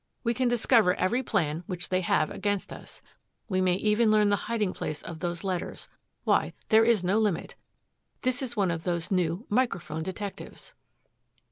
We can discover every plan which they have against us. We may even learn the hiding place of those letters Why, there is no limit. This is one of those new microphone detectives."